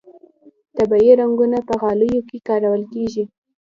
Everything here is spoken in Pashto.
طبیعي رنګونه په غالیو کې کارول کیږي